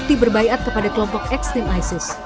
bukti berbaikat kepada kelompok ekstrim isis